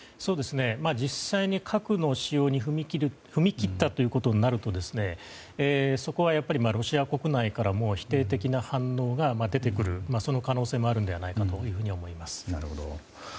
実際に核の使用に踏み切ったということになるとそこはロシア国内からも否定的な反応が出てくるというその可能性もあるのではないかと思います。